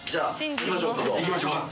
行きましょう。